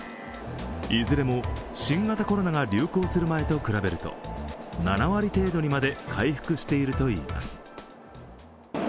いずれも新型コロナが流行する前と比べると７割程度にまで回復しているといいます。